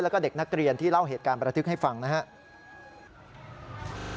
แล้วก็เด็กนักเรียนที่เล่าเหตุการณ์ประทึกให้ฟังนะครับ